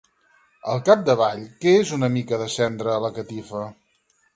Al capdavall, què és una mica de cendra a la catifa?